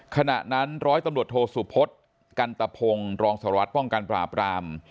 ขณะนั้นร้อยตำรวจโทสุพศกันตะพงศ์รองสารวัตรป้องกันปราบราม